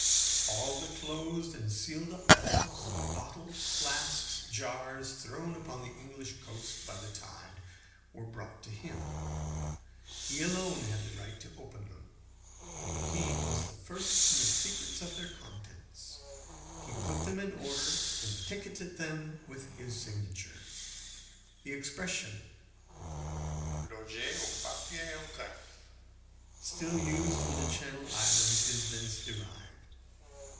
All the closed and sealed up vessels, bottles, flasks, jars, thrown upon the English coast by the tide were brought to him. He alone had the right to open them; he was first in the secrets of their contents; he put them in order, and ticketed them with his signature. The expression "loger un papier au greffe," still used in the Channel Islands, is thence derived.